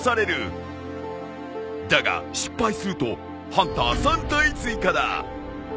だが失敗するとハンター３体追加だ。